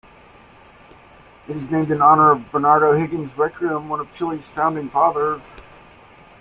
It is named in honour of Bernardo O'Higgins Riquelme, one of Chile's founding fathers.